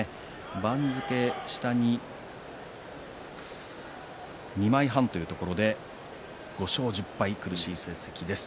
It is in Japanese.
番付、下に２枚半というところで５勝１０敗、苦しい成績です。